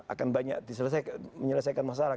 akan banyak menyelesaikan masalah